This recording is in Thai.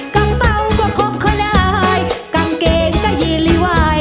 กังเป้าก็ครบเข้าได้กางเกงก็ยี่ลิวาย